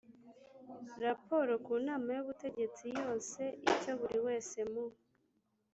raporo ku nama y ubutegetsi yose icyo buri wese mu